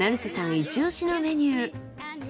イチ推しのメニュー。